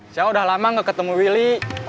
saya udah lama gak ketemu willy